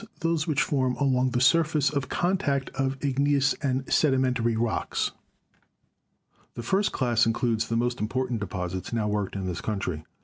those which form along the surface of contact of ig neous and sedimentary rocks. The first class includes the most important deposits now worked in this country.